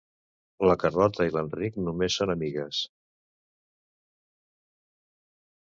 La Carlota i l'Enric només són amigues.